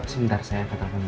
sebentar saya ke tapaknya